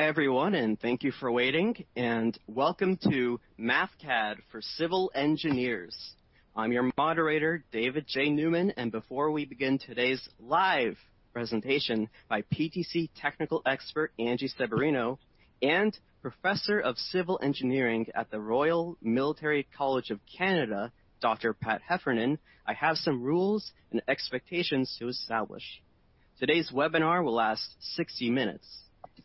Everyone, and thank you for waiting, and welcome to Mathcad for Civil Engineers. I'm your moderator, David J. Newman, and before we begin today's live presentation by PTC Technical Expert Angie Severino and Professor of Civil Engineering at the Royal Military College of Canada, Dr. Pat Heffernan, I have some rules and expectations to establish. Today's webinar will last 60 minutes.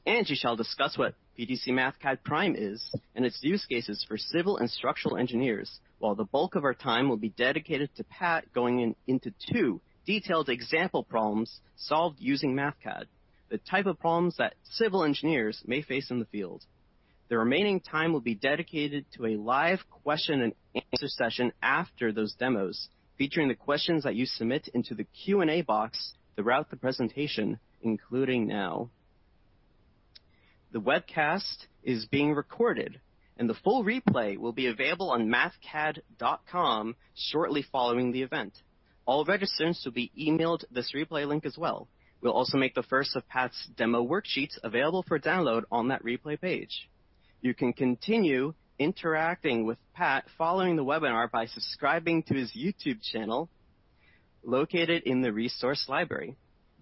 Angie shall discuss what PTC Mathcad Prime is and its use cases for civil and structural engineers, while the bulk of our time will be dedicated to Pat going into two detailed example problems solved using Mathcad, the type of problems that civil engineers may face in the field. The remaining time will be dedicated to a live question-and-answer session after those demos, featuring the questions that you submit into the Q&A box throughout the presentation, including now. The webcast is being recorded, and the full replay will be available on mathcad.com shortly following the event. All registrants will be emailed this replay link as well. We'll also make the first of Pat's demo worksheets available for download on that replay page. You can continue interacting with Pat following the webinar by subscribing to his YouTube channel located in the resource library.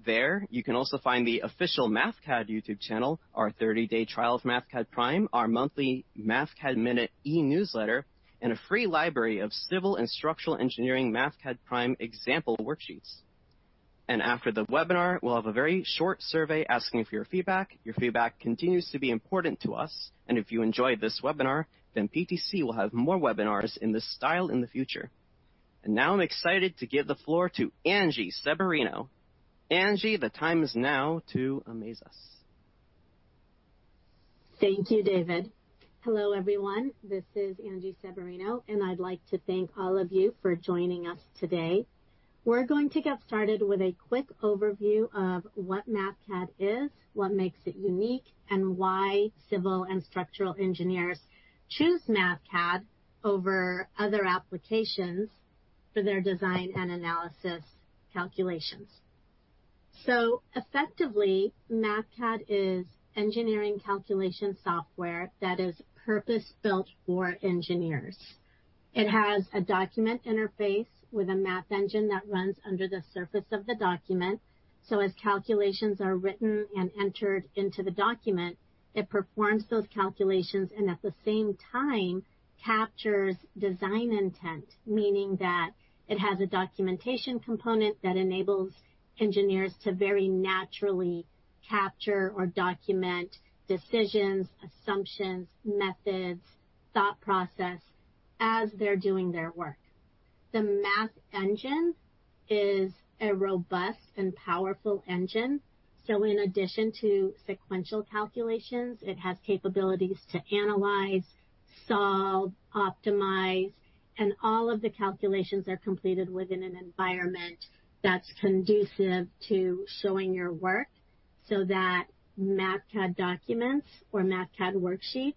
There, you can also find the official Mathcad YouTube channel, our 30-day trial of Mathcad Prime, our monthly Mathcad Minute e-newsletter, and a free library of civil and structural engineering Mathcad Prime example worksheets. After the webinar, we'll have a very short survey asking for your feedback. Your feedback continues to be important to us. If you enjoyed this webinar, then PTC will have more webinars in this style in the future. I am excited to give the floor to Angie Severino. Angie, the time is now to amaze us. Thank you, David. Hello, everyone. This is Angie Severino, and I'd like to thank all of you for joining us today. We're going to get started with a quick overview of what Mathcad is, what makes it unique, and why civil and structural engineers choose Mathcad over other applications for their design and analysis calculations. Effectively, Mathcad is engineering calculation software that is purpose-built for engineers. It has a document interface with a math engine that runs under the surface of the document. As calculations are written and entered into the document, it performs those calculations and at the same time captures design intent, meaning that it has a documentation component that enables engineers to very naturally capture or document decisions, assumptions, methods, thought process as they're doing their work. The math engine is a robust and powerful engine. In addition to sequential calculations, it has capabilities to analyze, solve, optimize, and all of the calculations are completed within an environment that's conducive to showing your work so that Mathcad documents or Mathcad worksheets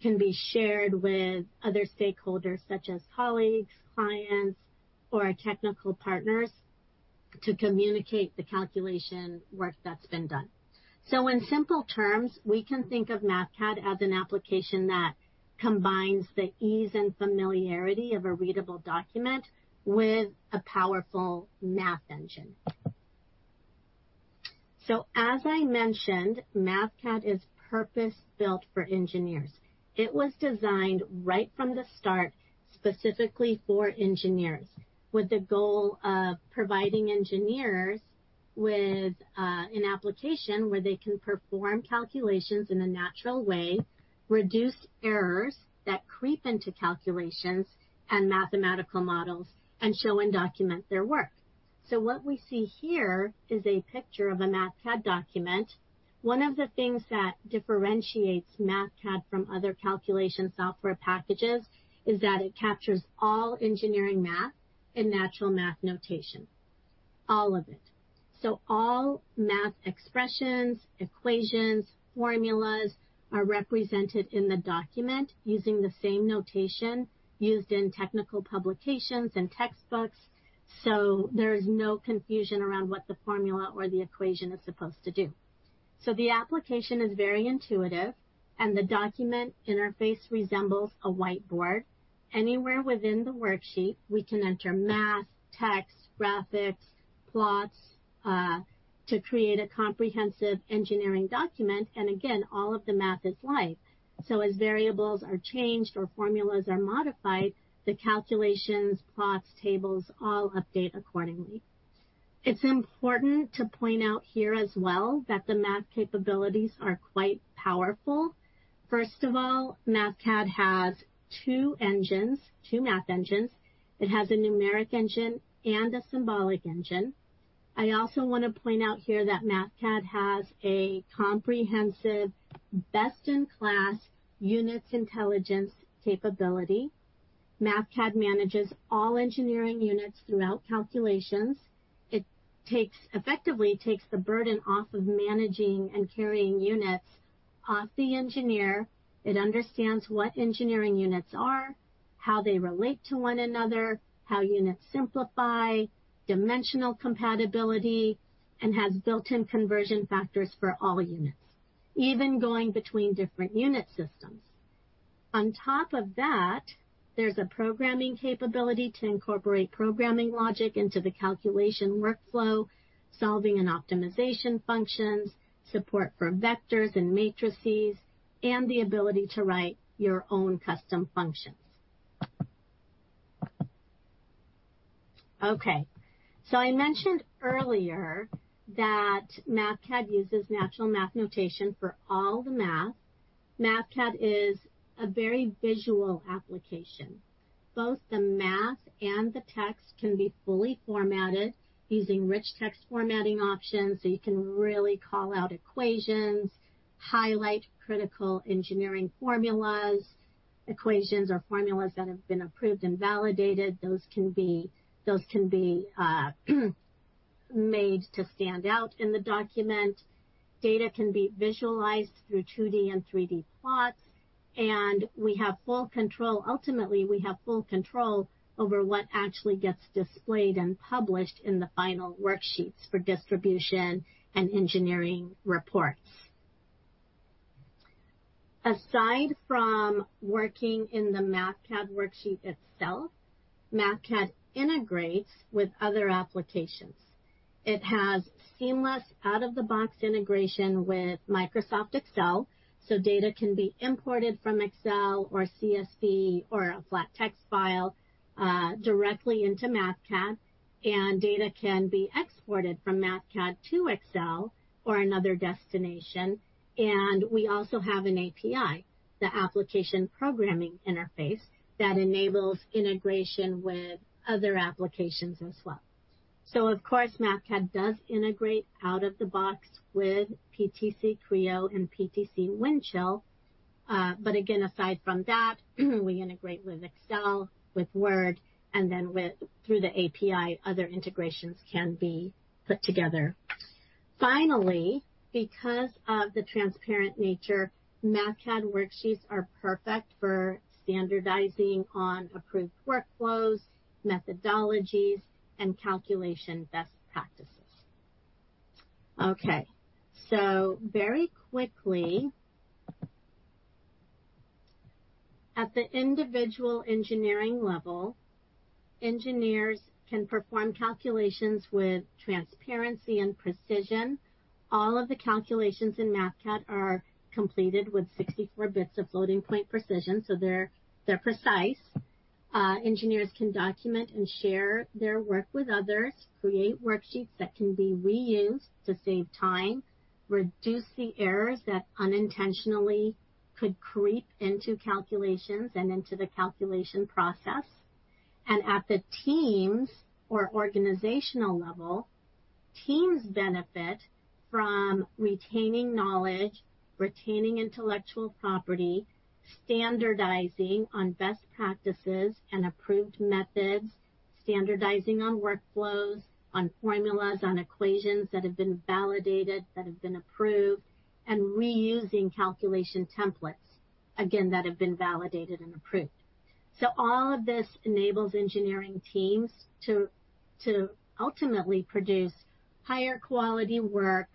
can be shared with other stakeholders such as colleagues, clients, or technical partners to communicate the calculation work that's been done. In simple terms, we can think of Mathcad as an application that combines the ease and familiarity of a readable document with a powerful math engine. As I mentioned, Mathcad is purpose-built for engineers. It was designed right from the start specifically for engineers with the goal of providing engineers with an application where they can perform calculations in a natural way, reduce errors that creep into calculations and mathematical models, and show and document their work. What we see here is a picture of a Mathcad document. One of the things that differentiates Mathcad from other calculation software packages is that it captures all engineering math in natural math notation, all of it. All math expressions, equations, formulas are represented in the document using the same notation used in technical publications and textbooks. There is no confusion around what the formula or the equation is supposed to do. The application is very intuitive, and the document interface resembles a whiteboard. Anywhere within the worksheet, we can enter math, text, graphics, plots to create a comprehensive engineering document. Again, all of the math is live. As variables are changed or formulas are modified, the calculations, plots, tables all update accordingly. It's important to point out here as well that the math capabilities are quite powerful. First of all, Mathcad has two engines, two math engines. It has a numeric engine and a symbolic engine. I also want to point out here that Mathcad has a comprehensive, best-in-class units intelligence capability. Mathcad manages all engineering units throughout calculations. It effectively takes the burden off of managing and carrying units off the engineer. It understands what engineering units are, how they relate to one another, how units simplify, dimensional compatibility, and has built-in conversion factors for all units, even going between different unit systems. On top of that, there's a programming capability to incorporate programming logic into the calculation workflow, solving and optimization functions, support for vectors and matrices, and the ability to write your own custom functions. Okay. I mentioned earlier that Mathcad uses natural math notation for all the math. Mathcad is a very visual application. Both the math and the text can be fully formatted using rich text formatting options. You can really call out equations, highlight critical engineering formulas, equations or formulas that have been approved and validated. Those can be made to stand out in the document. Data can be visualized through 2D and 3D plots. We have full control. Ultimately, we have full control over what actually gets displayed and published in the final worksheets for distribution and engineering reports. Aside from working in the Mathcad worksheet itself, Mathcad integrates with other applications. It has seamless out-of-the-box integration with Microsoft Excel. Data can be imported from Excel or CSV or a flat text file directly into Mathcad. Data can be exported from Mathcad to Excel or another destination. We also have an API, the Application Programming Interface, that enables integration with other applications as well. Of course, Mathcad does integrate out of the box with PTC Creo and PTC Windchill. Aside from that, we integrate with Excel, with Word, and then through the API, other integrations can be put together. Finally, because of the transparent nature, Mathcad worksheets are perfect for standardizing on approved workflows, methodologies, and calculation best practices. Okay. Very quickly, at the individual engineering level, engineers can perform calculations with transparency and precision. All of the calculations in Mathcad are completed with 64 bits of floating point precision. They are precise. Engineers can document and share their work with others, create worksheets that can be reused to save time, reduce the errors that unintentionally could creep into calculations and into the calculation process. At the teams or organizational level, teams benefit from retaining knowledge, retaining intellectual property, standardizing on best practices and approved methods, standardizing on workflows, on formulas, on equations that have been validated, that have been approved, and reusing calculation templates, again, that have been validated and approved. All of this enables engineering teams to ultimately produce higher quality work,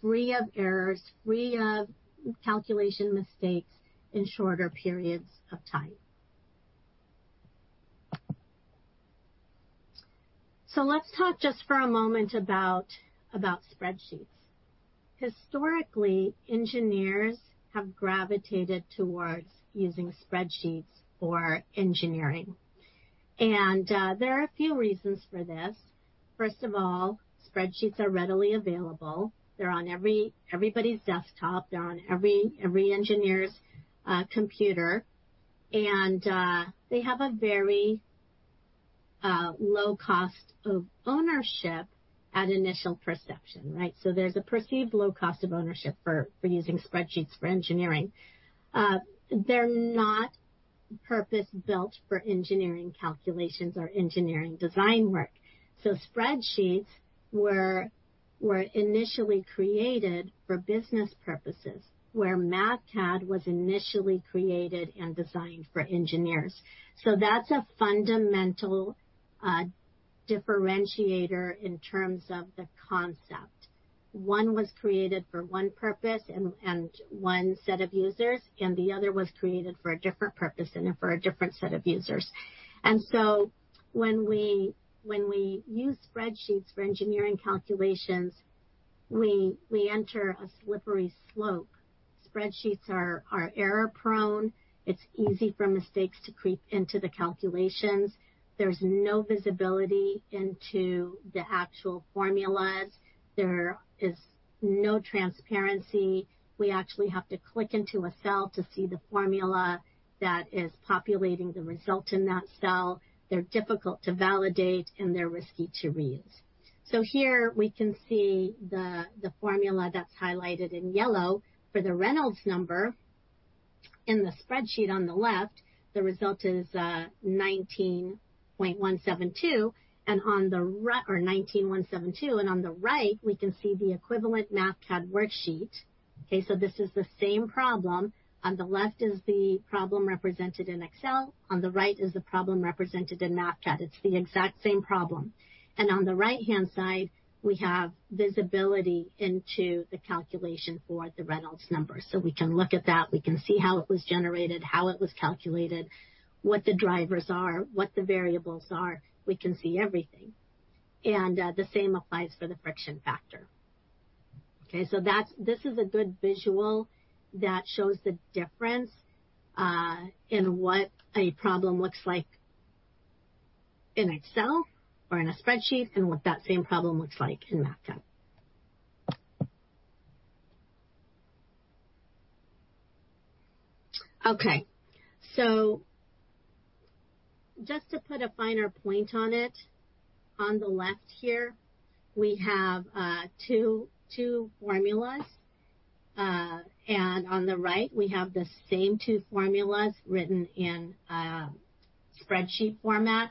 free of errors, free of calculation mistakes in shorter periods of time. Let's talk just for a moment about spreadsheets. Historically, engineers have gravitated towards using spreadsheets for engineering. There are a few reasons for this. First of all, spreadsheets are readily available. They're on everybody's desktop. They're on every engineer's computer. They have a very low cost of ownership at initial perception, right? There's a perceived low cost of ownership for using spreadsheets for engineering. They're not purpose-built for engineering calculations or engineering design work. Spreadsheets were initially created for business purposes, where Mathcad was initially created and designed for engineers. That's a fundamental differentiator in terms of the concept. One was created for one purpose and one set of users, and the other was created for a different purpose and for a different set of users. When we use spreadsheets for engineering calculations, we enter a slippery slope. Spreadsheets are error-prone. It's easy for mistakes to creep into the calculations. There's no visibility into the actual formulas. There is no transparency. We actually have to click into a cell to see the formula that is populating the result in that cell. They're difficult to validate, and they're risky to reuse. Here we can see the formula that's highlighted in yellow for the Reynolds number. In the spreadsheet on the left, the result is 19.172. And on the right, or 19.172, and on the right, we can see the equivalent Mathcad worksheet. Okay. This is the same problem. On the left is the problem represented in Excel. On the right is the problem represented in Mathcad. It's the exact same problem. On the right-hand side, we have visibility into the calculation for the Reynolds number. We can look at that. We can see how it was generated, how it was calculated, what the drivers are, what the variables are. We can see everything. The same applies for the friction factor. Okay. This is a good visual that shows the difference in what a problem looks like in Excel or in a spreadsheet and what that same problem looks like in Mathcad. Okay. Just to put a finer point on it, on the left here, we have two formulas. On the right, we have the same two formulas written in spreadsheet format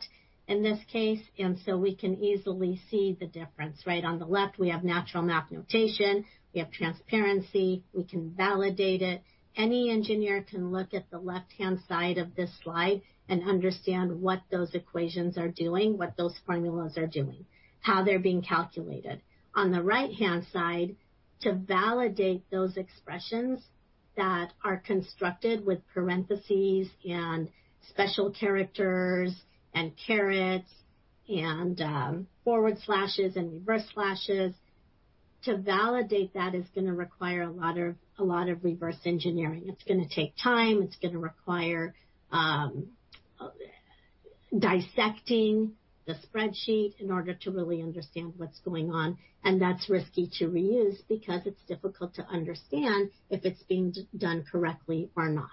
in this case. We can easily see the difference, right? On the left, we have natural math notation. We have transparency. We can validate it. Any engineer can look at the left-hand side of this slide and understand what those equations are doing, what those formulas are doing, how they're being calculated. On the right-hand side, to validate those expressions that are constructed with parentheses and special characters and carets and forward slashes and reverse slashes, to validate that is going to require a lot of reverse engineering. It's going to take time. It's going to require dissecting the spreadsheet in order to really understand what's going on. That's risky to reuse because it's difficult to understand if it's being done correctly or not.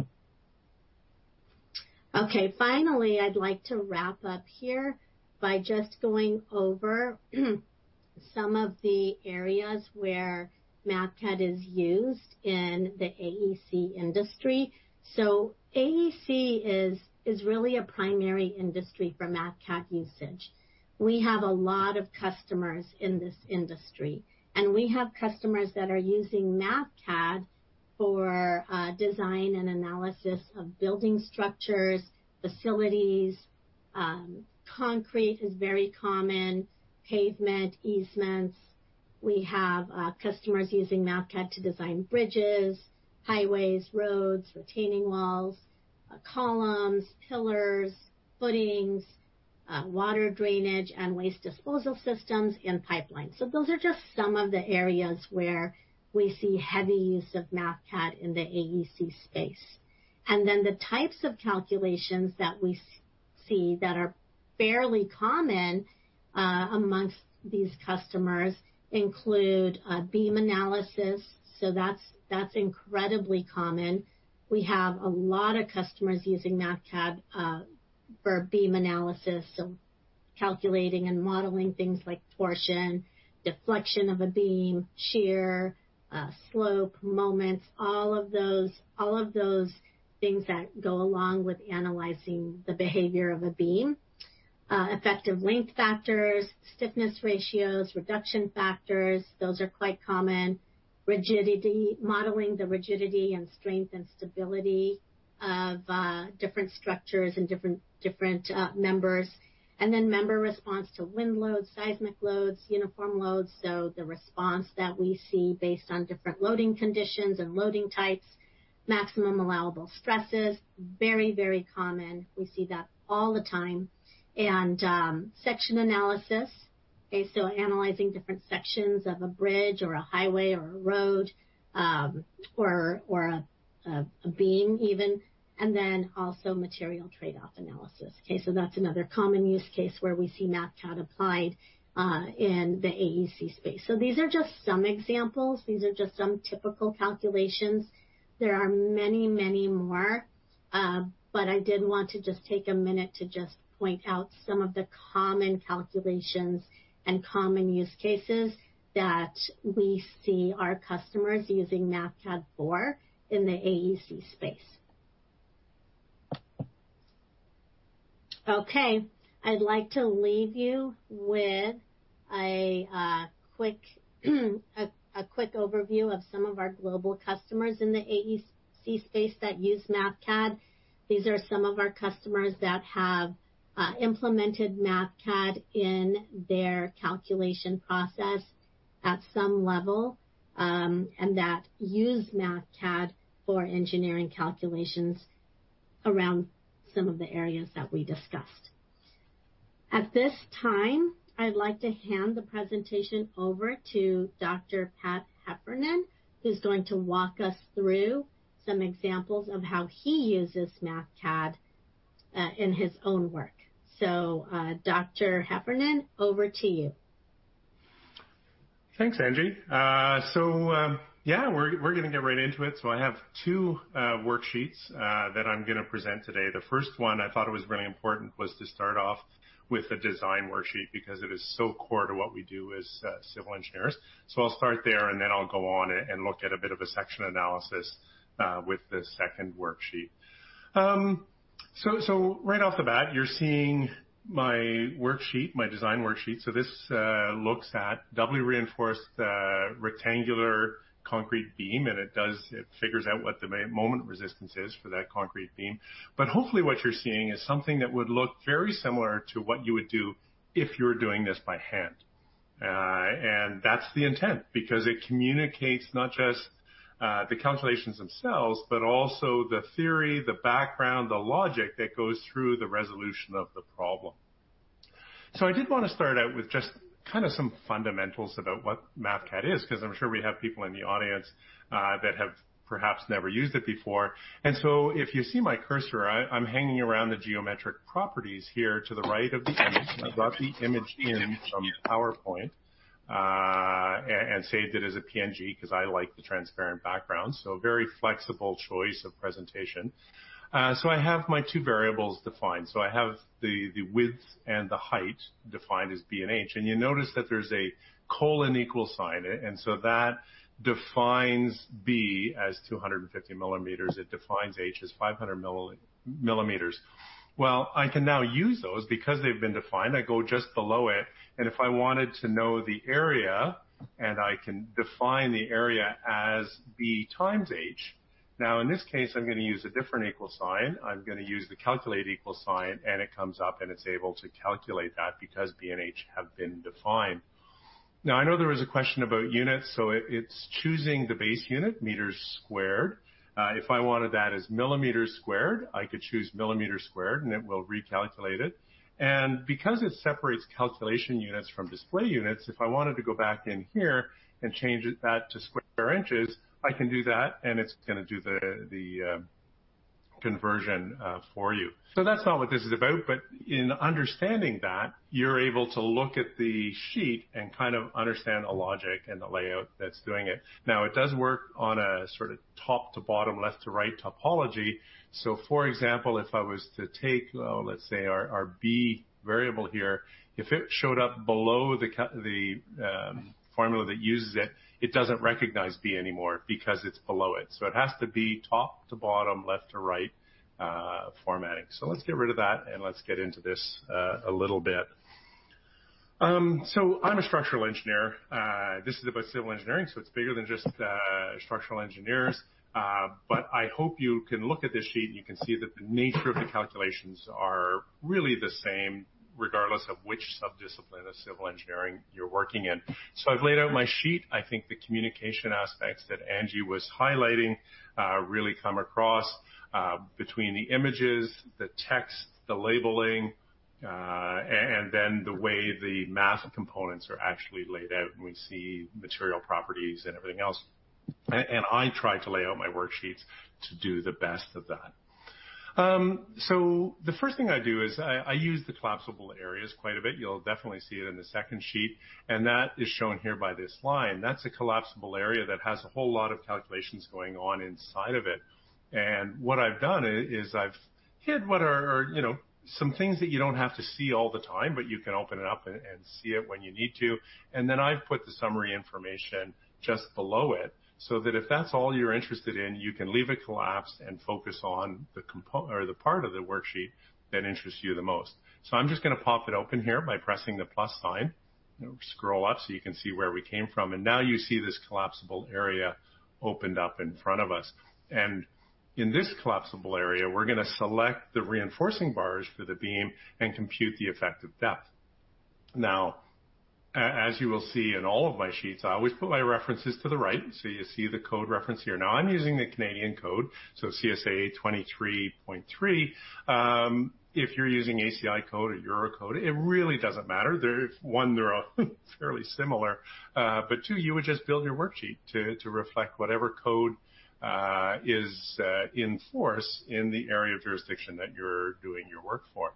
Okay. Finally, I'd like to wrap up here by just going over some of the areas where Mathcad is used in the AEC industry. AEC is really a primary industry for Mathcad usage. We have a lot of customers in this industry. We have customers that are using Mathcad for design and analysis of building structures, facilities. Concrete is very common. Pavement, easements. We have customers using Mathcad to design bridges, highways, roads, retaining walls, columns, pillars, footings, water drainage, and waste disposal systems and pipelines. Those are just some of the areas where we see heavy use of Mathcad in the AEC space. The types of calculations that we see that are fairly common amongst these customers include beam analysis. That's incredibly common. We have a lot of customers using Mathcad for beam analysis. Calculating and modeling things like torsion, deflection of a beam, shear, slope, moments, all of those things that go along with analyzing the behavior of a beam. Effective length factors, stiffness ratios, reduction factors, those are quite common. Rigidity, modeling the rigidity and strength and stability of different structures and different members. Member response to wind loads, seismic loads, uniform loads. The response that we see based on different loading conditions and loading types, maximum allowable stresses, very, very common. We see that all the time. Section analysis, okay? Analyzing different sections of a bridge or a highway or a road or a beam even. Also material trade-off analysis. That's another common use case where we see Mathcad applied in the AEC space. These are just some examples. These are just some typical calculations. There are many, many more. I did want to just take a minute to just point out some of the common calculations and common use cases that we see our customers using Mathcad for in the AEC space. Okay. I'd like to leave you with a quick overview of some of our global customers in the AEC space that use Mathcad. These are some of our customers that have implemented Mathcad in their calculation process at some level and that use Mathcad for engineering calculations around some of the areas that we discussed. At this time, I'd like to hand the presentation over to Dr. Pat Heffernan, who's going to walk us through some examples of how he uses Mathcad in his own work. Dr. Heffernan, over to you. Thanks, Angie. Yeah, we're going to get right into it. I have two worksheets that I'm going to present today. The first one I thought was really important was to start off with the design worksheet because it is so core to what we do as civil engineers. I'll start there, and then I'll go on and look at a bit of a section analysis with the second worksheet. Right off the bat, you're seeing my worksheet, my design worksheet. This looks at doubly reinforced rectangular concrete beam, and it figures out what the moment resistance is for that concrete beam. Hopefully what you're seeing is something that would look very similar to what you would do if you were doing this by hand. That is the intent because it communicates not just the calculations themselves, but also the theory, the background, the logic that goes through the resolution of the problem. I did want to start out with just kind of some fundamentals about what Mathcad is because I'm sure we have people in the audience that have perhaps never used it before. If you see my cursor, I'm hanging around the geometric properties here to the right of the image. I brought the image in from PowerPoint and saved it as a PNG because I like the transparent background. Very flexible choice of presentation. I have my two variables defined. I have the width and the height defined as B and H. You notice that there's a colon equal sign. That defines B as 250 mm. It defines H as 500 mm. I can now use those because they've been defined. I go just below it. If I wanted to know the area, I can define the area as B times H. In this case, I'm going to use a different equal sign. I'm going to use the calculate equal sign, and it comes up, and it's able to calculate that because B and H have been defined. I know there was a question about units, so it's choosing the base unit, meters squared. If I wanted that as millimeters squared, I could choose millimeters squared, and it will recalculate it. Because it separates calculation units from display units, if I wanted to go back in here and change that to square inches, I can do that, and it's going to do the conversion for you. That is not what this is about, but in understanding that, you're able to look at the sheet and kind of understand the logic and the layout that's doing it. Now, it does work on a sort of top to bottom, left to right topology. For example, if I was to take, let's say, our B variable here, if it showed up below the formula that uses it, it does not recognize B anymore because it's below it. It has to be top to bottom, left to right formatting. Let's get rid of that, and let's get into this a little bit. I'm a structural engineer. This is about civil engineering, so it's bigger than just structural engineers. I hope you can look at this sheet, and you can see that the nature of the calculations are really the same regardless of which subdiscipline of civil engineering you're working in. I've laid out my sheet. I think the communication aspects that Angie was highlighting really come across between the images, the text, the labeling, and then the way the math components are actually laid out, and we see material properties and everything else. I tried to lay out my worksheets to do the best of that. The first thing I do is I use the collapsible areas quite a bit. You'll definitely see it in the second sheet, and that is shown here by this line. That's a collapsible area that has a whole lot of calculations going on inside of it. What I've done is I've hid what are some things that you don't have to see all the time, but you can open it up and see it when you need to. I've put the summary information just below it so that if that's all you're interested in, you can leave it collapsed and focus on the part of the worksheet that interests you the most. I'm just going to pop it open here by pressing the plus sign, scroll up so you can see where we came from. Now you see this collapsible area opened up in front of us. In this collapsible area, we're going to select the reinforcing bars for the beam and compute the effective depth. As you will see in all of my sheets, I always put my references to the right. You see the code reference here. Now, I'm using the Canadian code, so CSA 23.3. If you're using ACI code or Eurocode, it really doesn't matter. One, they're fairly similar. Two, you would just build your worksheet to reflect whatever code is in force in the area of jurisdiction that you're doing your work for.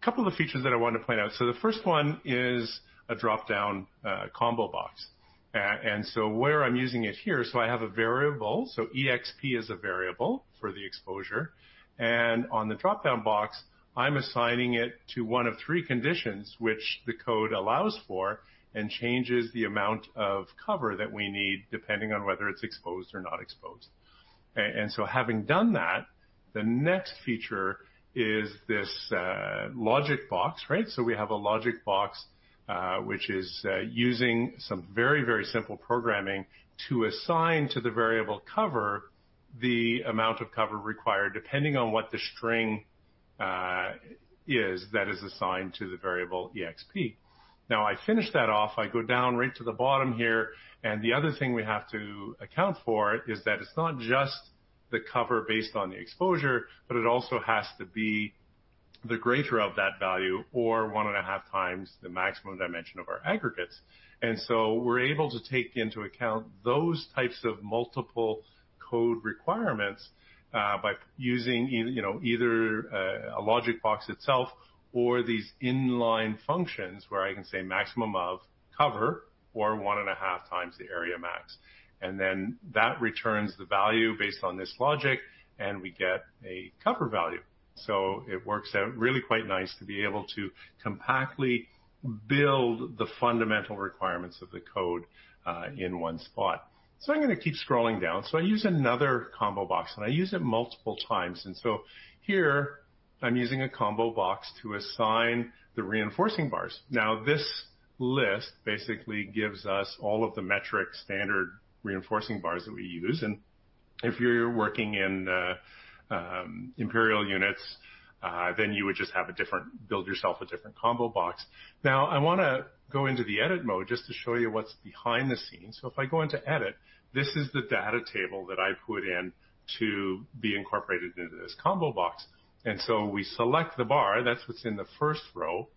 A couple of features that I wanted to point out. The first one is a dropdown combo box. Where I'm using it here, I have a variable. EXP is a variable for the exposure. On the dropdown box, I'm assigning it to one of three conditions, which the code allows for and changes the amount of cover that we need depending on whether it's exposed or not exposed. Having done that, the next feature is this logic box, right? We have a logic box which is using some very, very simple programming to assign to the variable cover the amount of cover required depending on what the string is that is assigned to the variable EXP. I finish that off. I go down right to the bottom here. The other thing we have to account for is that it's not just the cover based on the exposure, but it also has to be the greater of that value or one and a half times the maximum dimension of our aggregates. We are able to take into account those types of multiple code requirements by using either a logic box itself or these inline functions where I can say maximum of cover or one and a half times the area max. That returns the value based on this logic, and we get a cover value. It works out really quite nice to be able to compactly build the fundamental requirements of the code in one spot. I'm going to keep scrolling down. I use another combo box, and I use it multiple times. Here, I'm using a combo box to assign the reinforcing bars. This list basically gives us all of the metric standard reinforcing bars that we use. If you're working in imperial units, then you would just build yourself a different combo box. I want to go into the edit mode just to show you what's behind the scenes. If I go into edit, this is the data table that I put in to be incorporated into this combo box. We select the bar. That's what's in the first row.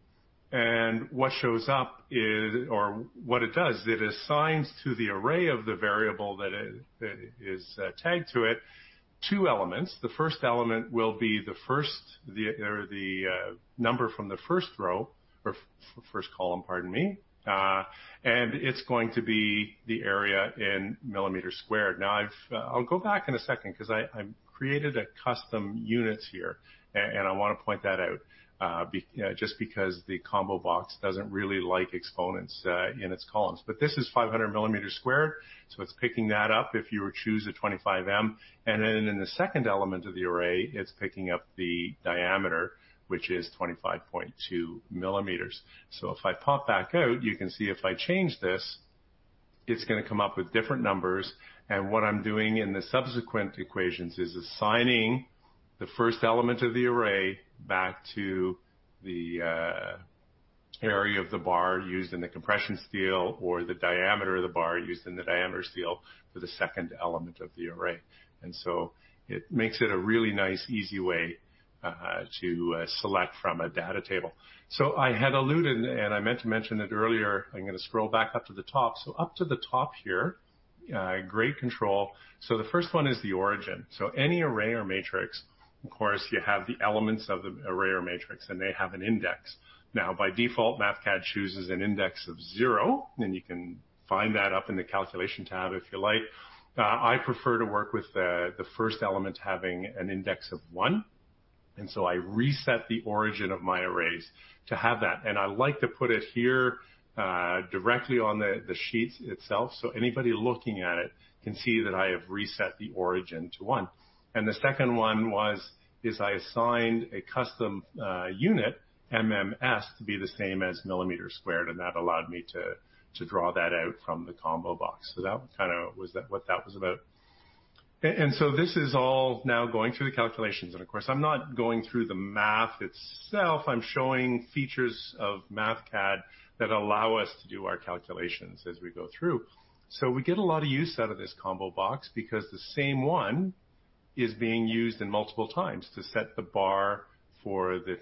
What shows up is, or what it does, it assigns to the array of the variable that is tagged to it two elements. The first element will be the number from the first row or first column, pardon me. It's going to be the area in millimeters squared. Now, I'll go back in a second because I created a custom units here, and I want to point that out just because the combo box doesn't really like exponents in its columns. This is 500 mm squared, so it's picking that up if you would choose a 25M. In the second element of the array, it's picking up the diameter, which is 25.2 mm. If I pop back out, you can see if I change this, it's going to come up with different numbers. What I'm doing in the subsequent equations is assigning the first element of the array back to the area of the bar used in the compression steel or the diameter of the bar used in the diameter steel for the second element of the array. It makes it a really nice, easy way to select from a data table. I had alluded, and I meant to mention it earlier. I'm going to scroll back up to the top. Up to the top here, great control. The first one is the origin. Any array or matrix, of course, you have the elements of the array or matrix, and they have an index. Now, by default, Mathcad chooses an index of zero, and you can find that up in the calculation tab if you like. I prefer to work with the first element having an index of one. I reset the origin of my arrays to have that. I like to put it here directly on the sheets itself so anybody looking at it can see that I have reset the origin to one. The second one was, I assigned a custom unit, MMS, to be the same as millimeters squared, and that allowed me to draw that out from the combo box. That kind of was what that was about. This is all now going through the calculations. Of course, I'm not going through the math itself. I'm showing features of Mathcad that allow us to do our calculations as we go through. We get a lot of use out of this combo box because the same one is being used multiple times to set the bar for the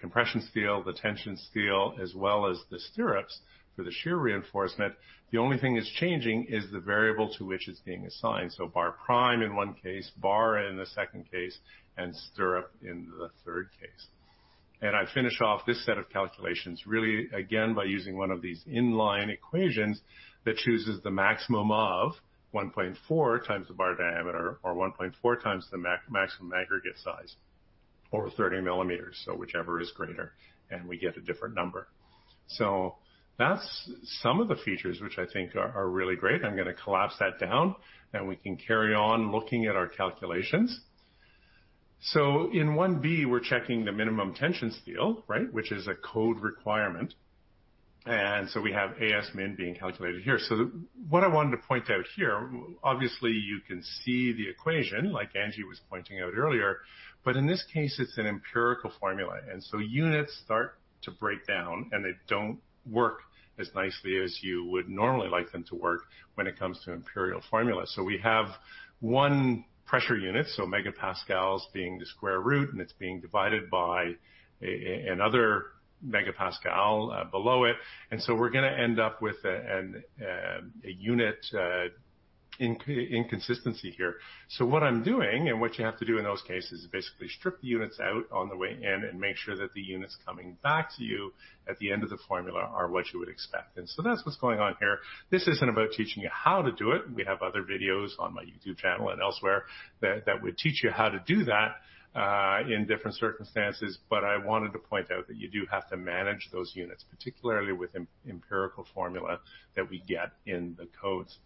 compression steel, the tension steel, as well as the stirrups for the shear reinforcement. The only thing that's changing is the variable to which it's being assigned. Bar prime in one case, bar in the second case, and stirrup in the third case. I finish off this set of calculations really, again, by using one of these inline equations that chooses the maximum of 1.4 times the bar diameter or 1.4 times the maximum aggregate size or 30 mm, whichever is greater, and we get a different number. That's some of the features which I think are really great. I'm going to collapse that down, and we can carry on looking at our calculations. In 1B, we're checking the minimum tension steel, right, which is a code requirement. We have AS min being calculated here. What I wanted to point out here, obviously, you can see the equation like Angie was pointing out earlier, but in this case, it's an empirical formula. Units start to break down, and they don't work as nicely as you would normally like them to work when it comes to empirical formula. We have one pressure unit, so megapascals being the square root, and it's being divided by another megapascal below it. We're going to end up with a unit inconsistency here. What I'm doing and what you have to do in those cases is basically strip the units out on the way in and make sure that the units coming back to you at the end of the formula are what you would expect. That's what's going on here. This isn't about teaching you how to do it. We have other videos on my YouTube channel and elsewhere that would teach you how to do that in different circumstances. I wanted to point out that you do have to manage those units, particularly with empirical formula that we get in the codes.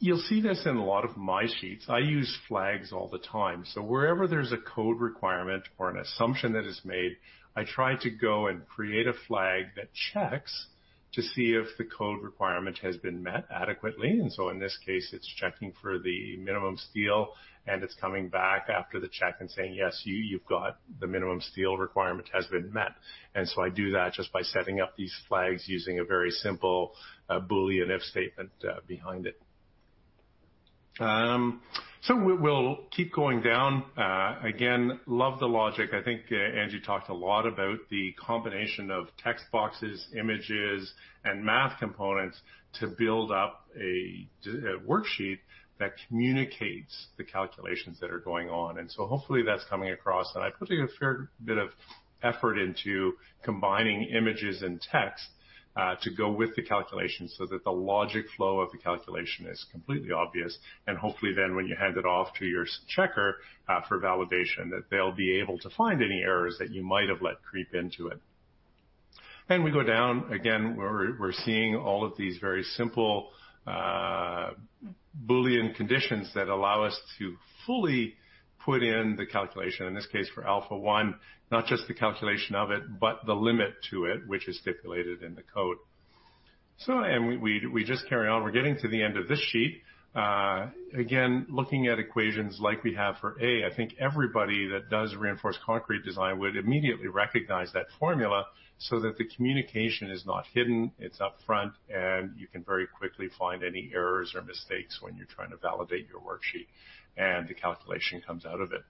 You'll see this in a lot of my sheets. I use flags all the time. Wherever there's a code requirement or an assumption that is made, I try to go and create a flag that checks to see if the code requirement has been met adequately. In this case, it's checking for the minimum steel, and it's coming back after the check and saying, "Yes, you've got the minimum steel requirement has been met." I do that just by setting up these flags using a very simple Boolean if statement behind it. We'll keep going down. Again, love the logic. I think Angie talked a lot about the combination of text boxes, images, and math components to build up a worksheet that communicates the calculations that are going on. Hopefully, that's coming across. I put a fair bit of effort into combining images and text to go with the calculations so that the logic flow of the calculation is completely obvious. Hopefully, when you hand it off to your checker for validation, they'll be able to find any errors that you might have let creep into it. We go down again. We're seeing all of these very simple Boolean conditions that allow us to fully put in the calculation, in this case for Alpha 1, not just the calculation of it, but the limit to it, which is stipulated in the code. We just carry on. We're getting to the end of this sheet. Again, looking at equations like we have for A, I think everybody that does reinforced concrete design would immediately recognize that formula so that the communication is not hidden. It's upfront, and you can very quickly find any errors or mistakes when you're trying to validate your worksheet and the calculation comes out of it.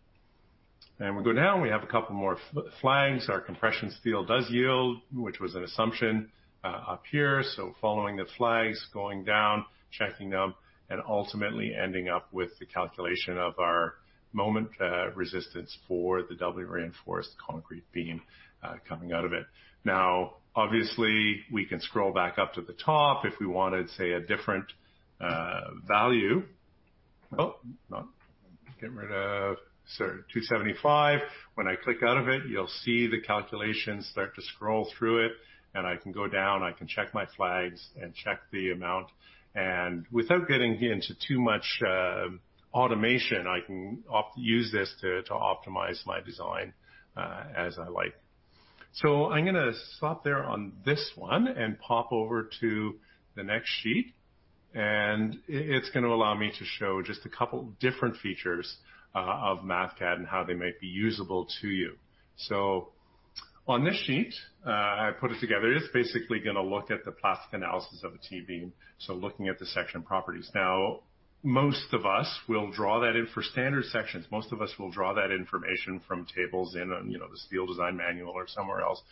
We go down. We have a couple more flags. Our compression steel does yield, which was an assumption up here. Following the flags, going down, checking them, and ultimately ending up with the calculation of our moment resistance for the doubly reinforced concrete beam coming out of it. Now, obviously, we can scroll back up to the top if we wanted, say, a different value. Oh, not getting rid of, sorry, 275. When I click out of it, you'll see the calculations start to scroll through it, and I can go down. I can check my flags and check the amount. Without getting into too much automation, I can use this to optimize my design as I like. I'm going to stop there on this one and pop over to the next sheet. It's going to allow me to show just a couple different features of Mathcad and how they might be usable to you. On this sheet, I put it together. It's basically going to look at the plastic analysis of a T-beam, so looking at the section properties. Now, most of us will draw that in for standard sections. Most of us will draw that information from tables in the steel design manual or somewhere else.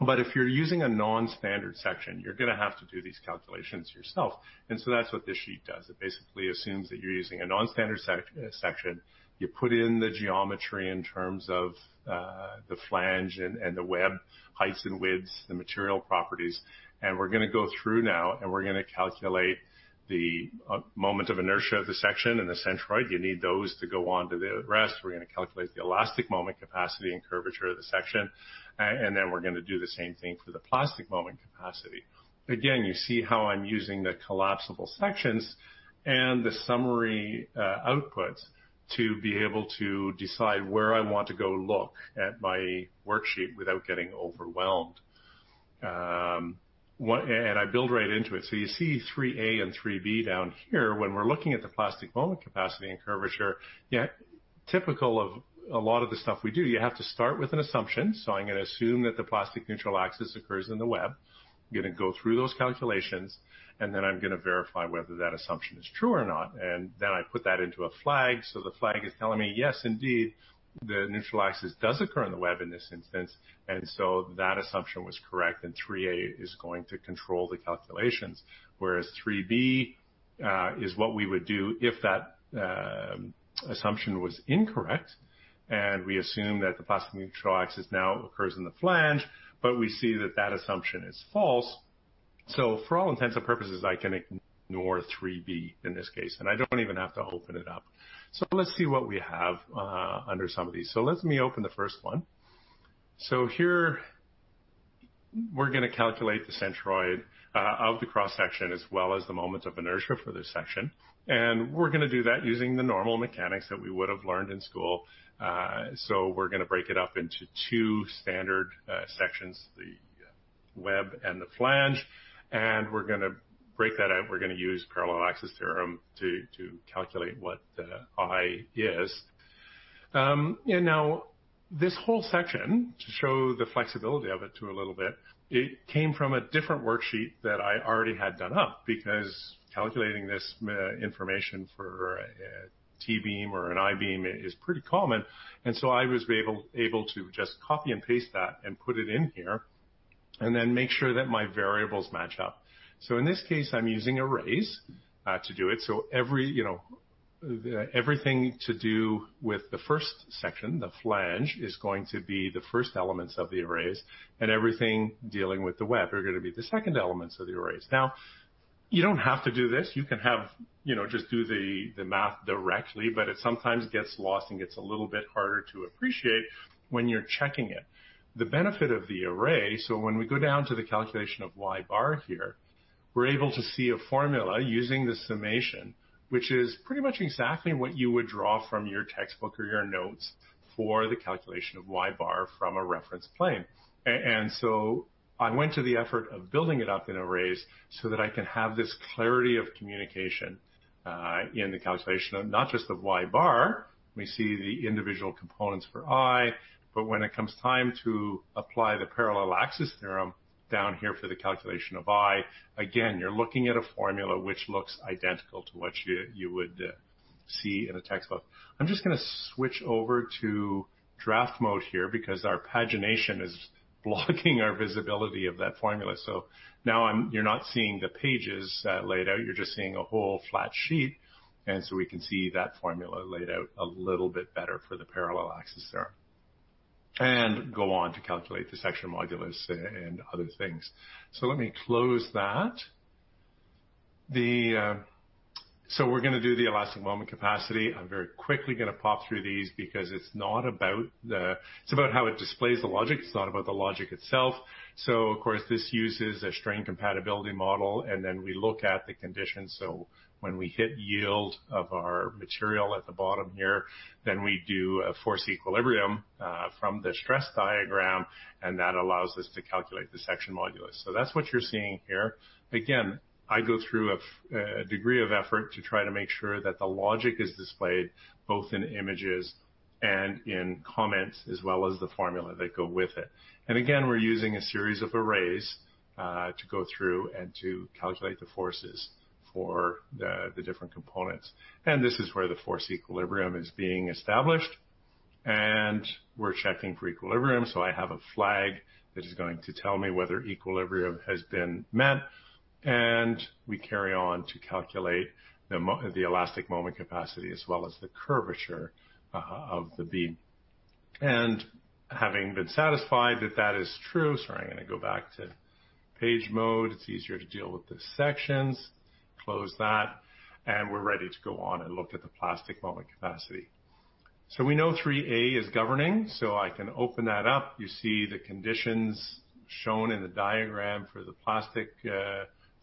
If you're using a non-standard section, you're going to have to do these calculations yourself. That's what this sheet does. It basically assumes that you're using a non-standard section. You put in the geometry in terms of the flange and the web heights and widths, the material properties. We're going to go through now, and we're going to calculate the moment of inertia of the section and the centroid. You need those to go on to the rest. We're going to calculate the elastic moment capacity and curvature of the section. Then we're going to do the same thing for the plastic moment capacity. Again, you see how I'm using the collapsible sections and the summary outputs to be able to decide where I want to go look at my worksheet without getting overwhelmed. I build right into it. You see 3A and 3B down here. When we're looking at the plastic moment capacity and curvature, typical of a lot of the stuff we do, you have to start with an assumption. I'm going to assume that the plastic neutral axis occurs in the web. I'm going to go through those calculations, and then I'm going to verify whether that assumption is true or not. Then I put that into a flag. The flag is telling me, "Yes, indeed, the neutral axis does occur in the web in this instance." That assumption was correct, and 3A is going to control the calculations, whereas 3B is what we would do if that assumption was incorrect. We assume that the plastic neutral axis now occurs in the flange, but we see that that assumption is false. For all intents and purposes, I can ignore 3B in this case, and I don't even have to open it up. Let's see what we have under some of these. Let me open the first one. Here, we're going to calculate the centroid of the cross-section as well as the moment of inertia for the section. We're going to do that using the normal mechanics that we would have learned in school. We're going to break it up into two standard sections, the web and the flange. We're going to break that out. We're going to use parallel axis theorem to calculate what the I is. Now, this whole section, to show the flexibility of it a little bit, it came from a different worksheet that I already had done up because calculating this information for a T beam or an I-beam is pretty common. I was able to just copy and paste that and put it in here and then make sure that my variables match up. In this case, I'm using arrays to do it. Everything to do with the first section, the flange, is going to be the first elements of the arrays, and everything dealing with the web are going to be the second elements of the arrays. Now, you don't have to do this. You can just do the math directly, but it sometimes gets lost and gets a little bit harder to appreciate when you're checking it. The benefit of the array, when we go down to the calculation of Y bar here, we're able to see a formula using the summation, which is pretty much exactly what you would draw from your textbook or your notes for the calculation of Y bar from a reference plane. I went to the effort of building it up in arrays so that I can have this clarity of communication in the calculation, not just of Y bar. We see the individual components for I, but when it comes time to apply the parallel axis theorem down here for the calculation of I, again, you're looking at a formula which looks identical to what you would see in a textbook. I'm just going to switch over to draft mode here because our pagination is blocking our visibility of that formula. Now you're not seeing the pages laid out. You're just seeing a whole flat sheet. We can see that formula laid out a little bit better for the parallel axis theorem and go on to calculate the section modulus and other things. Let me close that. We're going to do the elastic moment capacity. I'm very quickly going to pop through these because it's not about the—it's about how it displays the logic. It's not about the logic itself. Of course, this uses a strain compatibility model, and then we look at the conditions. When we hit yield of our material at the bottom here, then we do a force equilibrium from the stress diagram, and that allows us to calculate the section modulus. That's what you're seeing here. Again, I go through a degree of effort to try to make sure that the logic is displayed both in images and in comments as well as the formula that go with it. Again, we're using a series of arrays to go through and to calculate the forces for the different components. This is where the force equilibrium is being established. We're checking for equilibrium. I have a flag that is going to tell me whether equilibrium has been met. We carry on to calculate the elastic moment capacity as well as the curvature of the beam. Having been satisfied that that is true, sorry, I'm going to go back to page mode. It's easier to deal with the sections. Close that. We're ready to go on and look at the plastic moment capacity. We know 3A is governing. I can open that up. You see the conditions shown in the diagram for the fully plastic.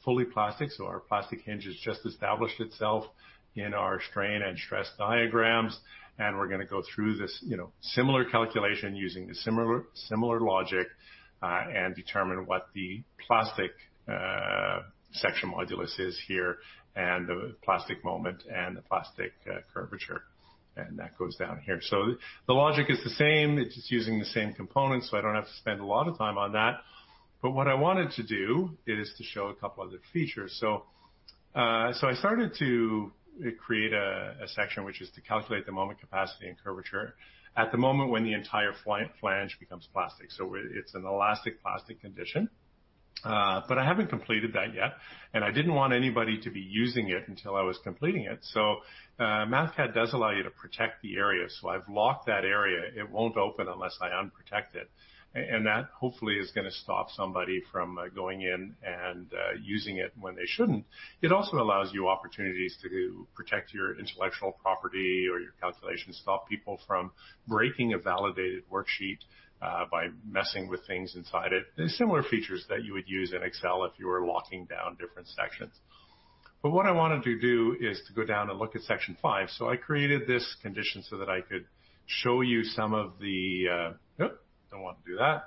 Our plastic hinge has just established itself in our strain and stress diagrams. We're going to go through this similar calculation using similar logic and determine what the plastic section modulus is here and the plastic moment and the plastic curvature. That goes down here. The logic is the same. It's just using the same components. I don't have to spend a lot of time on that. What I wanted to do is to show a couple other features. I started to create a section, which is to calculate the moment capacity and curvature at the moment when the entire flange becomes plastic. It's an elastic plastic condition. I haven't completed that yet. I didn't want anybody to be using it until I was completing it. Mathcad does allow you to protect the area. I've locked that area. It won't open unless I unprotect it. That hopefully is going to stop somebody from going in and using it when they shouldn't. It also allows you opportunities to protect your intellectual property or your calculations, stop people from breaking a validated worksheet by messing with things inside it. There are similar features that you would use in Excel if you were locking down different sections. What I wanted to do is to go down and look at section five. I created this condition so that I could show you some of the oh, don't want to do that.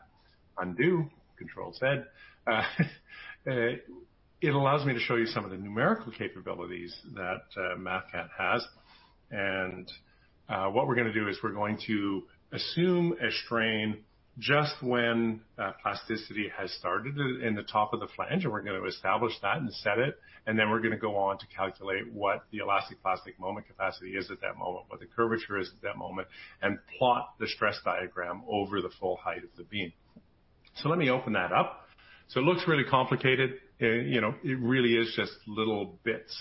Undo, Control Z. It allows me to show you some of the numerical capabilities that Mathcad has. What we're going to do is we're going to assume a strain just when plasticity has started in the top of the flange. We're going to establish that and set it. We're going to go on to calculate what the elastic plastic moment capacity is at that moment, what the curvature is at that moment, and plot the stress diagram over the full height of the beam. Let me open that up. It looks really complicated. It really is just little bits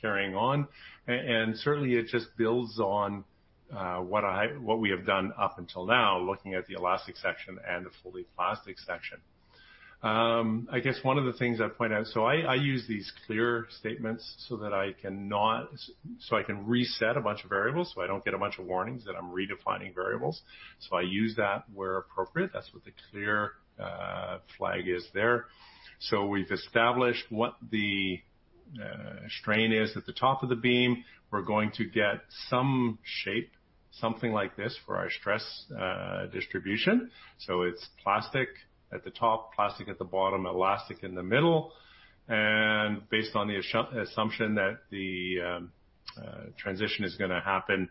carrying on. Certainly, it just builds on what we have done up until now, looking at the elastic section and the fully plastic section. I guess one of the things I point out, I use these clear statements so that I can reset a bunch of variables so I don't get a bunch of warnings that I'm redefining variables. I use that where appropriate. That's what the clear flag is there. We've established what the strain is at the top of the beam. We're going to get some shape, something like this for our stress distribution. It's plastic at the top, plastic at the bottom, elastic in the middle. Based on the assumption that the transition is going to happen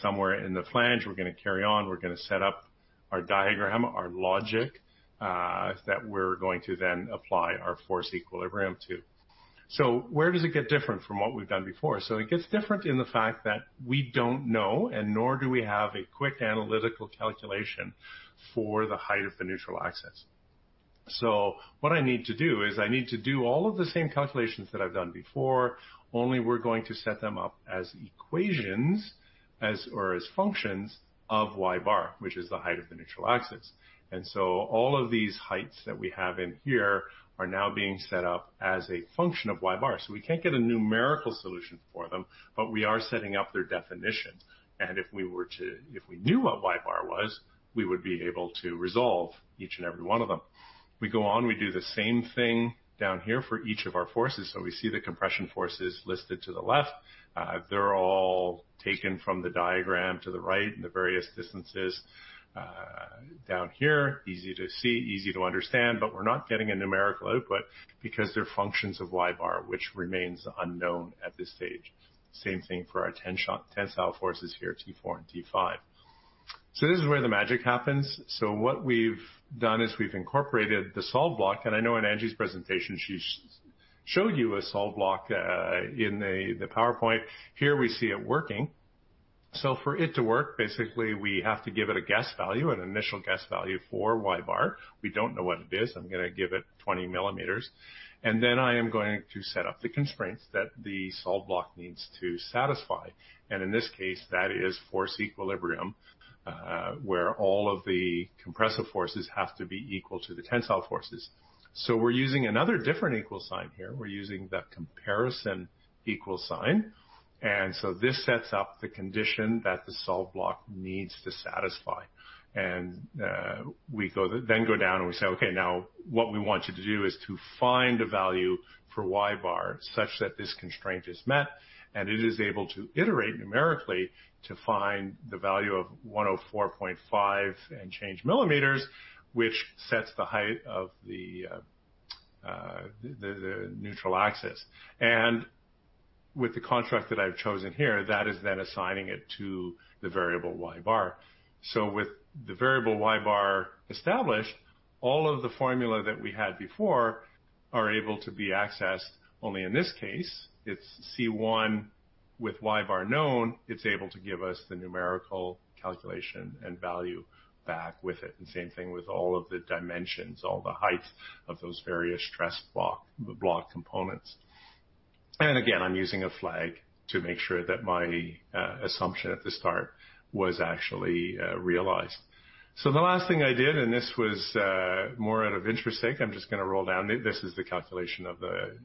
somewhere in the flange, we're going to carry on. We're going to set up our diagram, our logic that we're going to then apply our force equilibrium to. Where does it get different from what we've done before? It gets different in the fact that we don't know, and nor do we have a quick analytical calculation for the height of the neutral axis. What I need to do is I need to do all of the same calculations that I've done before, only we're going to set them up as equations or as functions of Y bar, which is the height of the neutral axis. All of these heights that we have in here are now being set up as a function of Y bar. We can't get a numerical solution for them, but we are setting up their definitions. If we knew what Y bar was, we would be able to resolve each and every one of them. We go on, we do the same thing down here for each of our forces. We see the compression forces listed to the left. They're all taken from the diagram to the right and the various distances down here. Easy to see, easy to understand, but we're not getting a numerical output because they're functions of Y bar, which remains unknown at this stage. Same thing for our tensile forces here, T4 and T5. This is where the magic happens. What we've done is we've incorporated the solve block. I know in Angie's presentation, she showed you a solve block in the PowerPoint. Here we see it working. For it to work, basically, we have to give it a guess value, an initial guess value for Y bar. We don't know what it is. I'm going to give it 20 mm. I am going to set up the constraints that the solve block needs to satisfy. In this case, that is force equilibrium where all of the compressive forces have to be equal to the tensile forces. We're using another different equal sign here. We're using the comparison equal sign. This sets up the condition that the solve block needs to satisfy. We then go down and we say, "Okay, now what we want you to do is to find a value for Y bar such that this constraint is met." It is able to iterate numerically to find the value of 104.5 and change millimeters, which sets the height of the neutral axis. With the construct that I've chosen here, that is then assigning it to the variable Y bar. With the variable Y bar established, all of the formula that we had before are able to be accessed. Only in this case, it's C1 with Y bar known. It's able to give us the numerical calculation and value back with it. Same thing with all of the dimensions, all the heights of those various stress block components. Again, I'm using a flag to make sure that my assumption at the start was actually realized. The last thing I did, and this was more out of introspect, I'm just going to roll down. This is the calculation of the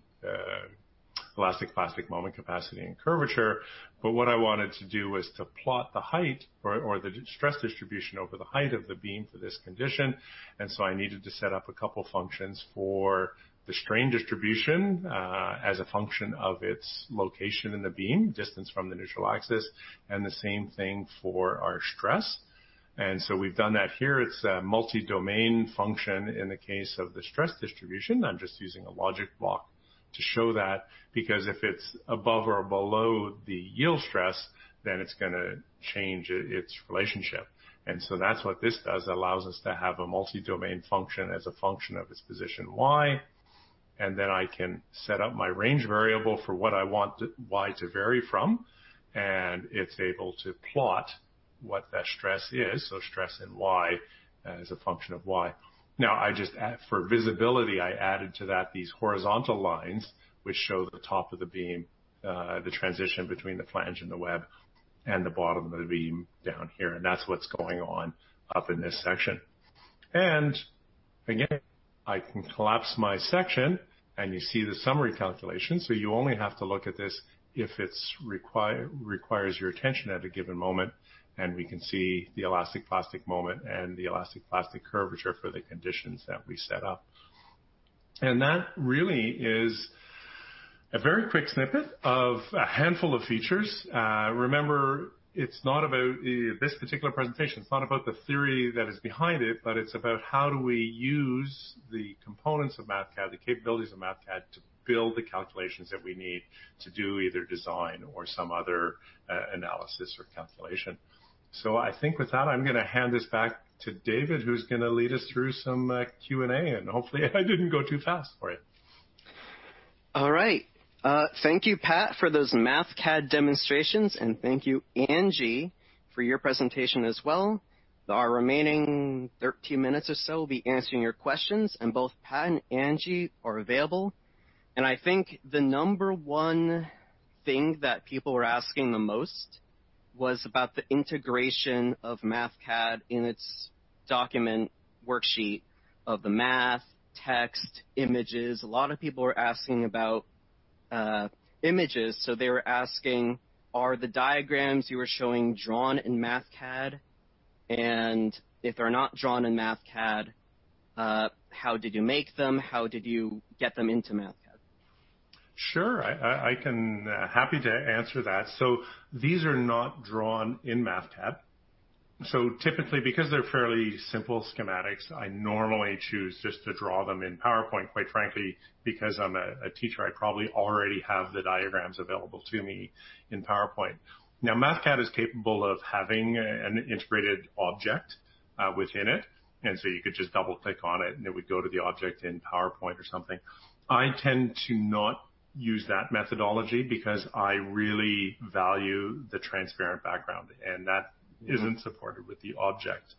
elastic plastic moment capacity and curvature. What I wanted to do was to plot the height or the stress distribution over the height of the beam for this condition. I needed to set up a couple of functions for the strain distribution as a function of its location in the beam, distance from the neutral axis, and the same thing for our stress. We've done that here. It's a multi-domain function in the case of the stress distribution. I'm just using a logic block to show that because if it's above or below the yield stress, then it's going to change its relationship. That's what this does. It allows us to have a multi-domain function as a function of its position Y. Then I can set up my range variable for what I want Y to vary from. It is able to plot what that stress is. Stress in Y is a function of Y. For visibility, I added to that these horizontal lines, which show the top of the beam, the transition between the flange and the web, and the bottom of the beam down here. That is what is going on up in this section. I can collapse my section, and you see the summary calculation. You only have to look at this if it requires your attention at a given moment. We can see the elastic plastic moment and the elastic plastic curvature for the conditions that we set up. That really is a very quick snippet of a handful of features. Remember, it's not about this particular presentation. It's not about the theory that is behind it, but it's about how do we use the components of Mathcad, the capabilities of Mathcad to build the calculations that we need to do either design or some other analysis or calculation. I think with that, I'm going to hand this back to David, who's going to lead us through some Q&A. Hopefully, I didn't go too fast for it. All right. Thank you, Pat, for those Mathcad demonstrations. Thank you, Angie, for your presentation as well. Our remaining 13 minutes or so will be answering your questions. Both Pat and Angie are available. I think the number one thing that people were asking the most was about the integration of Mathcad in its document worksheet of the math, text, images. A lot of people were asking about images. They were asking, are the diagrams you were showing drawn in Mathcad? And if they're not drawn in Mathcad, how did you make them? How did you get them into Mathcad? Sure. I'm happy to answer that. These are not drawn in Mathcad. Typically, because they're fairly simple schematics, I normally choose just to draw them in PowerPoint, quite frankly, because I'm a teacher, I probably already have the diagrams available to me in PowerPoint. Now, Mathcad is capable of having an integrated object within it. You could just double-click on it, and it would go to the object in PowerPoint or something. I tend to not use that methodology because I really value the transparent background. That is not supported with the object.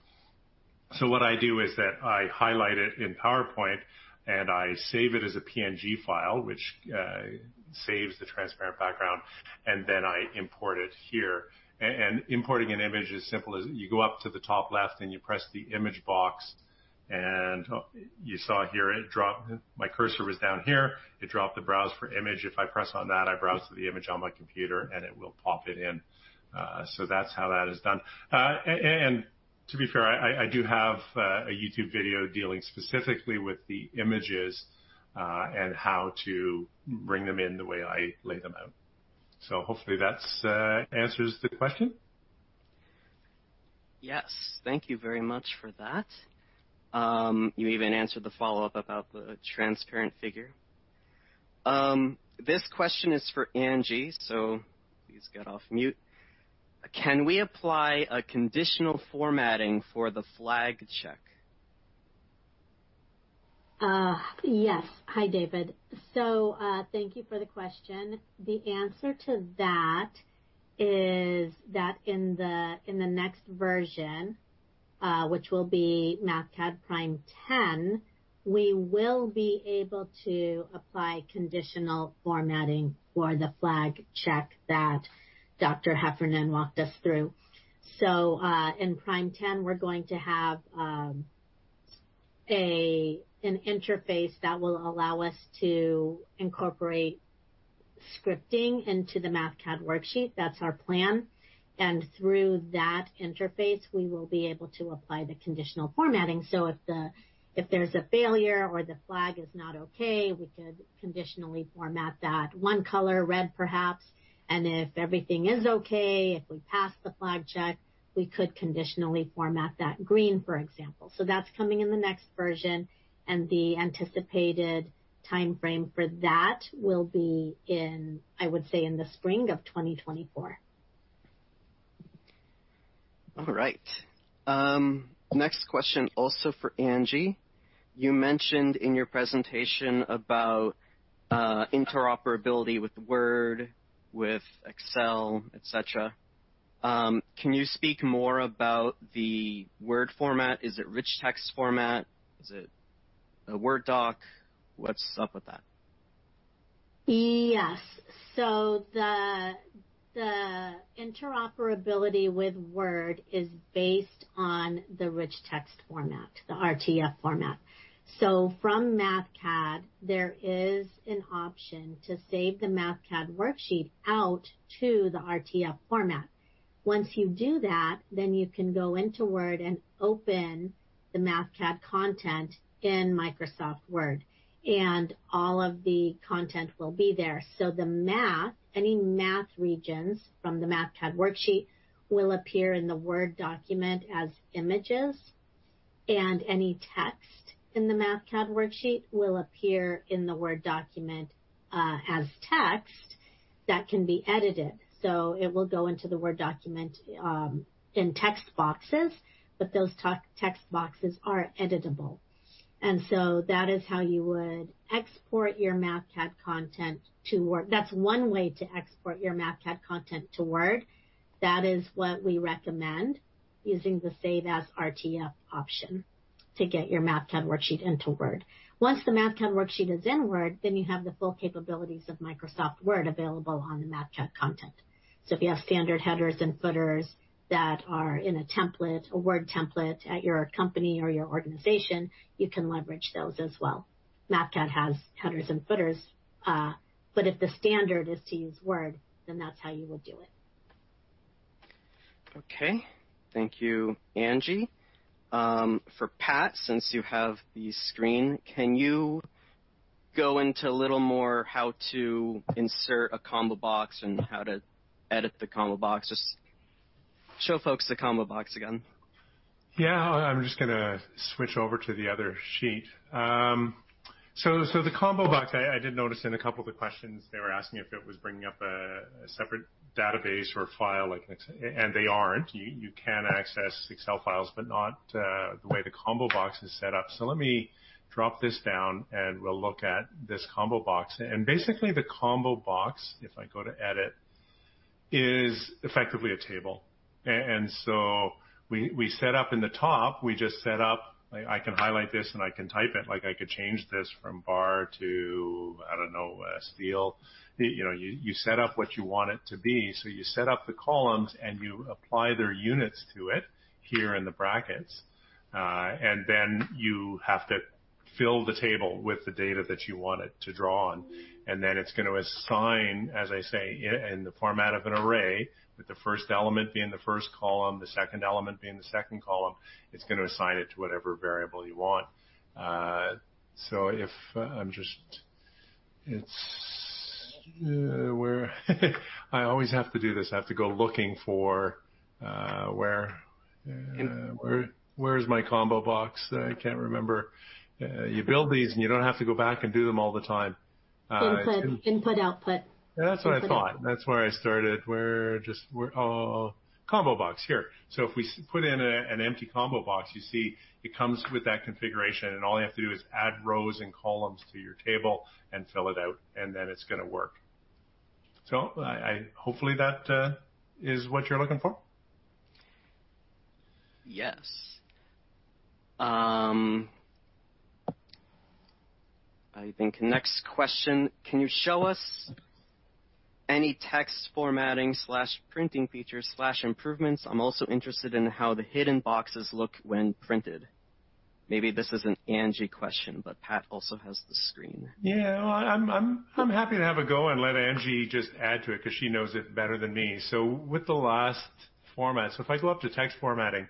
What I do is highlight it in PowerPoint, and I save it as a PNG file, which saves the transparent background. I import it here. Importing an image is as simple as going up to the top left and pressing the image box. You saw here, my cursor was down here. It dropped the browse for image. If I press on that, I browse to the image on my computer, and it will pop it in. That is how that is done. To be fair, I do have a YouTube video dealing specifically with the images and how to bring them in the way I lay them out. Hopefully, that answers the question. Yes. Thank you very much for that. You even answered the follow-up about the transparent figure. This question is for Angie. Please get off mute. Can we apply a conditional formatting for the flag check? Yes. Hi, David. Thank you for the question. The answer to that is that in the next version, which will be Mathcad Prime 10, we will be able to apply conditional formatting for the flag check that Dr. Heffernan walked us through. In Prime 10, we are going to have an interface that will allow us to incorporate scripting into the Mathcad worksheet. That is our plan. Through that interface, we will be able to apply the conditional formatting. If there is a failure or the flag is not okay, we could conditionally format that one color, red, perhaps. If everything is okay, if we pass the flag check, we could conditionally format that green, for example. That is coming in the next version. The anticipated timeframe for that will be, I would say, in the spring of 2024. All right. Next question also for Angie. You mentioned in your presentation about interoperability with Word, with Excel, etc. Can you speak more about the Word format? Is it rich text format? Is it a Word doc? What is up with that? Yes. The interoperability with Word is based on the rich text format, the RTF format. From Mathcad, there is an option to save the Mathcad worksheet out to the RTF format. Once you do that, you can go into Word and open the Mathcad content in Microsoft Word. All of the content will be there. Any math regions from the Mathcad worksheet will appear in the Word document as images. Any text in the Mathcad worksheet will appear in the Word document as text that can be edited. It will go into the Word document in text boxes, but those text boxes are editable. That is how you would export your Mathcad content to Word. That is one way to export your Mathcad content to Word. That is what we recommend, using the Save as RTF option to get your Mathcad worksheet into Word. Once the Mathcad worksheet is in Word, you have the full capabilities of Microsoft Word available on the Mathcad content. If you have standard headers and footers that are in a template, a Word template at your company or your organization, you can leverage those as well. Mathcad has headers and footers. If the standard is to use Word, then that's how you would do it. Okay. Thank you, Angie. For Pat, since you have the screen, can you go into a little more how to insert a combo box and how to edit the combo box? Just show folks the combo box again. Yeah. I'm just going to switch over to the other sheet. The combo box, I did notice in a couple of the questions, they were asking if it was bringing up a separate database or file, and they aren't. You can access Excel files, but not the way the combo box is set up. Let me drop this down, and we'll look at this combo box. Basically, the combo box, if I go to edit, is effectively a table. We set up in the top, we just set up, I can highlight this and I can type it. I could change this from bar to, I do not know, steel. You set up what you want it to be. You set up the columns and you apply their units to it here in the brackets. Then you have to fill the table with the data that you want it to draw on. It is going to assign, as I say, in the format of an array, with the first element being the first column, the second element being the second column, it is going to assign it to whatever variable you want. I always have to do this. I have to go looking for where is my combo box? I cannot remember. You build these and you don't have to go back and do them all the time. Input, output. That's what I thought. That's where I started. Combo box here. If we put in an empty combo box, you see it comes with that configuration. All you have to do is add rows and columns to your table and fill it out. Then it's going to work. Hopefully that is what you're looking for. Yes. I think next question, can you show us any text formatting/printing features/improvements? I'm also interested in how the hidden boxes look when printed. Maybe this is an Angie question, but Pat also has the screen. Yeah. I'm happy to have a go and let Angie just add to it because she knows it better than me. With the last format, if I go up to text formatting,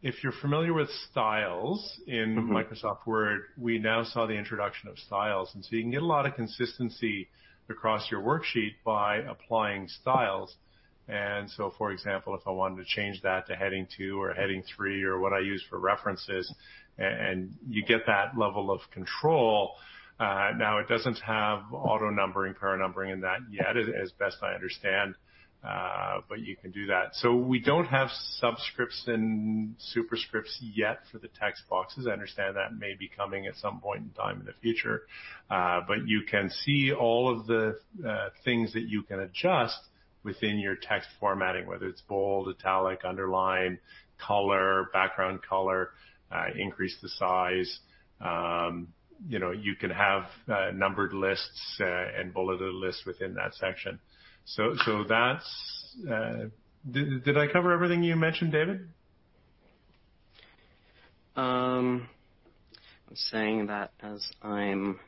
if you're familiar with styles in Microsoft Word, we now saw the introduction of styles. You can get a lot of consistency across your worksheet by applying styles. For example, if I wanted to change that to heading two or heading three or what I use for references, you get that level of control. It does not have auto numbering, paranumbering in that yet, as best I understand, but you can do that. We do not have subscripts and superscripts yet for the text boxes. I understand that may be coming at some point in time in the future. You can see all of the things that you can adjust within your text formatting, whether it is bold, italic, underline, color, background color, increase the size. You can have numbered lists and bulleted lists within that section. Did I cover everything you mentioned, David? I'm saying that as I'm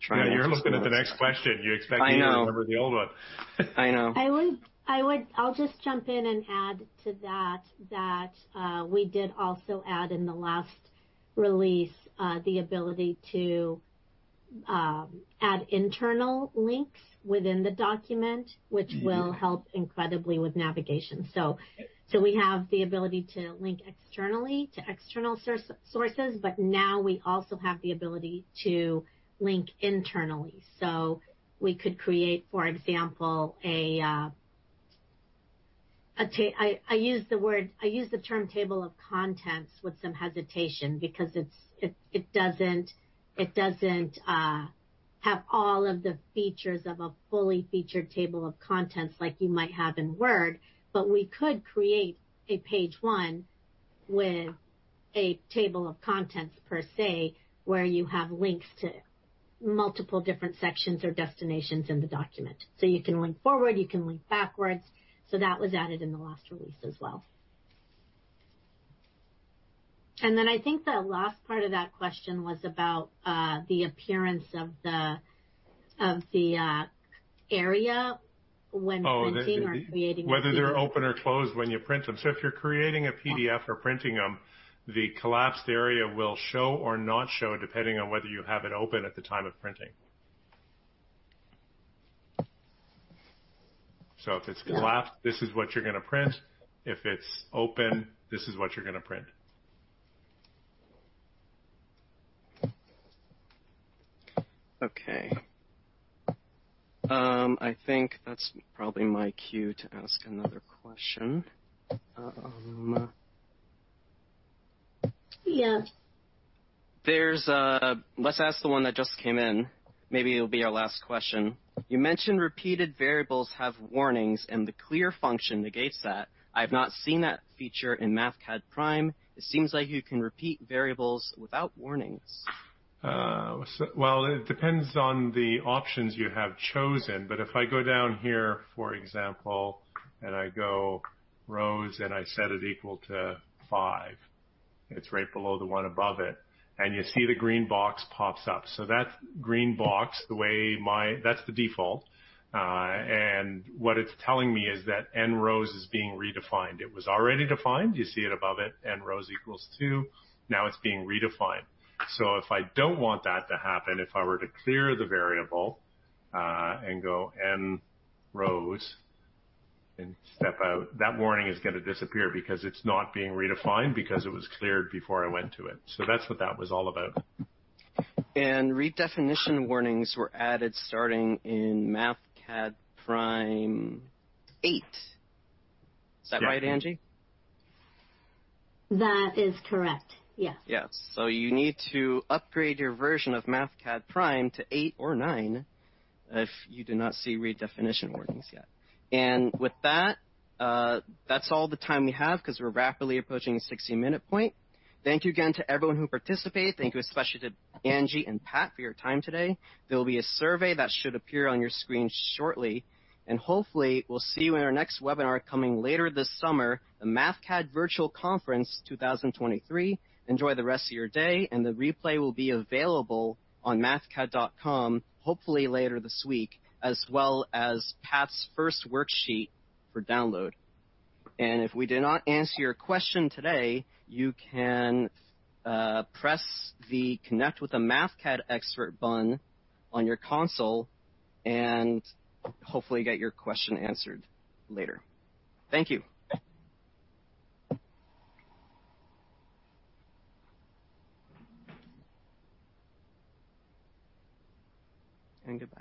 trying to think. Yeah, you're looking at the next question. You expect me to remember the old one. I know. I'll just jump in and add to that that we did also add in the last release the ability to add internal links within the document, which will help incredibly with navigation. We have the ability to link externally to external sources, but now we also have the ability to link internally. We could create, for example, a—I use the term table of contents with some hesitation because it does not have all of the features of a fully featured table of contents like you might have in Word. We could create a page one with a table of contents per se where you have links to multiple different sections or destinations in the document. You can link forward, you can link backwards. That was added in the last release as well. I think the last part of that question was about the appearance of the area when printing or creating a PDF. Oh, and whether they're open or closed when you print them. If you're creating a PDF or printing them, the collapsed area will show or not show depending on whether you have it open at the time of printing. If it's collapsed, this is what you're going to print. If it's open, this is what you're going to print. I think that's probably my cue to ask another question. Yeah. Let's ask the one that just came in. Maybe it'll be our last question. You mentioned repeated variables have warnings and the clear function negates that. I have not seen that feature in Mathcad Prime. It seems like you can repeat variables without warnings. It depends on the options you have chosen. If I go down here, for example, and I go rows and I set it equal to five, it's right below the one above it. You see the green box pops up. That green box, the way my that's the default. What it's telling me is that n rows is being redefined. It was already defined. You see it above it, n rows equals two. Now it's being redefined. If I do not want that to happen, if I were to clear the variable and go n rows and step out, that warning is going to disappear because it is not being redefined because it was cleared before I went to it. That is what that was all about. Redefinition warnings were added starting in Mathcad Prime 8. Is that right, Angie? That is correct. Yes. Yes. You need to upgrade your version of Mathcad Prime to 8 or 9 if you do not see redefinition warnings yet. With that, that is all the time we have because we are rapidly approaching a 60-minute point. Thank you again to everyone who participated. Thank you especially to Angie and Pat for your time today. There will be a survey that should appear on your screen shortly. Hopefully, we'll see you in our next webinar coming later this summer, the Mathcad Virtual Conference 2023. Enjoy the rest of your day. The replay will be available on mathcad.com, hopefully later this week, as well as Pat's first worksheet for download. If we did not answer your question today, you can press the connect with a Mathcad expert button on your console and hopefully get your question answered later. Thank you. Goodbye.